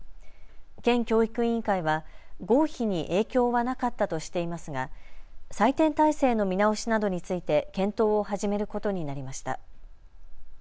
県教育委員会は合否に影響はなかったとしていますが採点体制の見直しなどについて検討を始めることになりました。